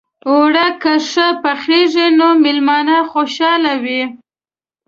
اوړه که ښه پخېږي، نو میلمانه خوشحاله وي